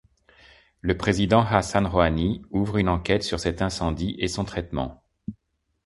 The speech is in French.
Le président Hassan Rohani ouvre une enquête sur cet incendie et son traitement.